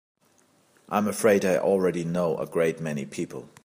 I'm afraid I already know a great many people.